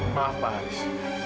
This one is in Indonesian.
maaf pak haris